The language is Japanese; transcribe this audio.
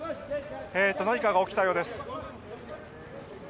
何かが起きたようです。